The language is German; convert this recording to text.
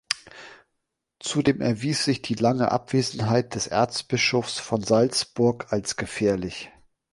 Zudem erwies sich die lange Abwesenheit des Erzbischofs von Salzburg als gefährlich.